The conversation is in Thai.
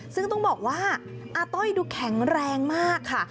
ซึ่งต้องบอกว่าอาต้อยดูแข็งแรงมากค่ะ